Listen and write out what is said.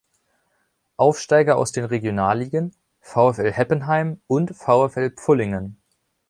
Aufsteiger aus den Regionalligen: VfL Heppenheim und VfL Pfullingen.